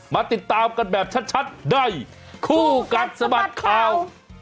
มาติดตามกันแบบชัดในคู่กัดสะบัดข่าว